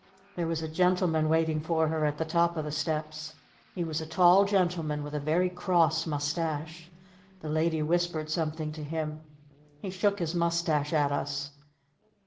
There was a Gentleman waiting for her at the top of the steps. He was a tall Gentleman with a very cross mustache. The Lady whispered something to him. He shook his mustache at us.